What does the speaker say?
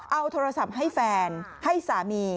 เอาโทรศัพท์ให้แฟนให้สามี